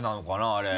あれ。